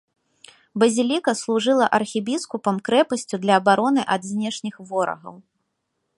Базіліка служыла архібіскупам крэпасцю для абароны ад знешніх ворагаў.